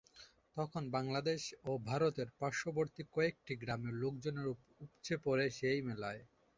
তখন বাংলাদেশ ও ভারতের পার্শ্ববর্তী কয়েকটি গ্রামের লোকজন উপচে পড়ে সেই মেলায়।